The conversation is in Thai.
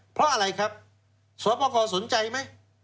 เพราะอะไรสปกสนใจไหม